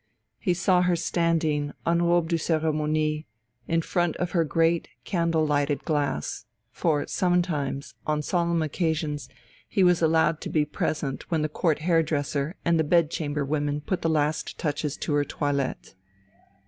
He saw her standing en robe de ceremonie, in front of her great candle lighted glass, for sometimes, on solemn occasions, he was allowed to be present when the Court hairdresser and the bed chamber women put the last touches to her toilette.